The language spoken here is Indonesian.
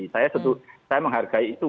saya menghargai itu